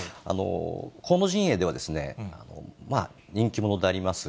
河野陣営では、人気者であります